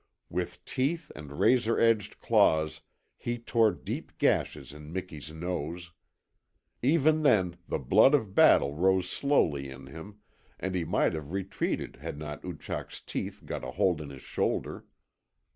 With teeth and razor edged claws he tore deep gashes in Miki's nose. Even then the blood of battle rose slowly in him, and he might have retreated had not Oochak's teeth got a hold in his shoulder.